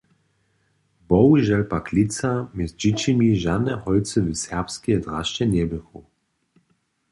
Bohužel pak lětsa mjez dźěćimi žane holcy w serbskej drasće njeběchu.